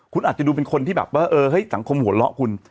คุณอาจจะดูเป็นคนที่แบบว่าเออเฮ้ยสังคมหัวเราะคุณ